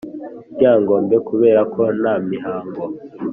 Ryangombe kubera ko nta mihango